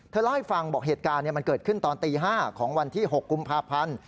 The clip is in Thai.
เล่าให้ฟังบอกเหตุการณ์มันเกิดขึ้นตอนตี๕ของวันที่๖กุมภาพันธ์